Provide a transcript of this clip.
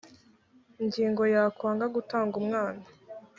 ingingo ya kwanga gutanga umwana